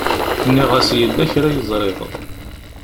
Nniɣ-as yella kra i ẓriɣ.